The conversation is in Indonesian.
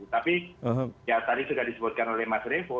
tapi ya tadi sudah disebutkan oleh mas revo